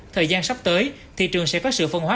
thời gian sắp tới thị trường sẽ có sự phân hóa